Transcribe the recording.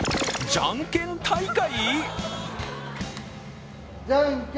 じゃんけん大会？